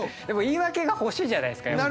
でも言い訳が欲しいじゃないですか。